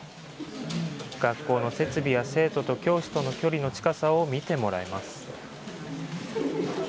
学校の設備や生徒と教師との距離の近さを見てもらいます。